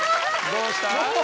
どうした？